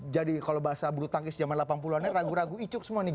jadi kalau bahasa bulu tangkis jaman delapan puluh an ragu ragu icuk semua nih